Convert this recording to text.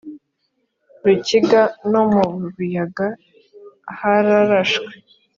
rukiga no mu buyaga hararashwe